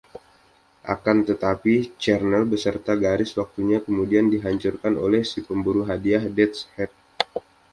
Akan tetapi, Charnel beserta garis waktunya kemudian dihancurkan oleh si pemburu hadiah Death’s Head.